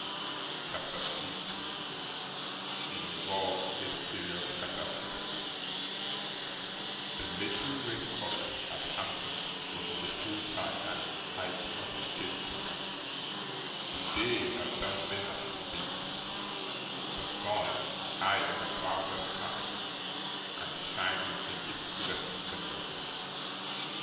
CHAPTER 50 Involves a serious Catastrophe The little race course at Hampton was in the full tide and height of its gaiety; the day as dazzling as day could be; the sun high in the cloudless sky, and shining in its fullest splendour.